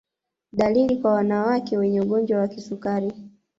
Dalili kwa wanawake wenye ugonjwa wa kisukari